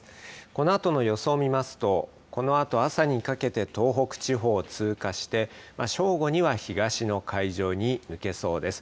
このあとの予想を見ますと、このあと朝にかけて東北地方を通過して、正午には東の海上に抜けそうです。